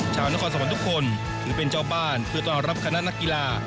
ชาวนครสวรรค์ทุกคนถือเป็นเจ้าบ้านเพื่อต้อนรับคณะนักกีฬา